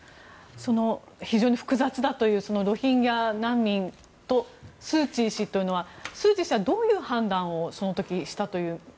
その非常に複雑だというロヒンギャ難民とスーチー氏というのはスーチー氏はどういう判断をその時、したという。